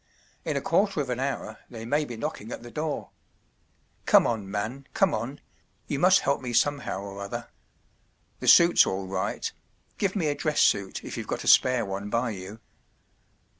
In a quarter of an hour they may be knocking at the door. Come on, man, come on—you must help me somehow or other. The suit’s all right—give me a dress suit if you’ve got a spare one by you.